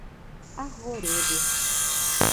Arvoredo